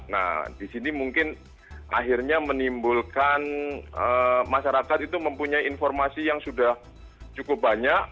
nah di sini mungkin akhirnya menimbulkan masyarakat itu mempunyai informasi yang sudah cukup banyak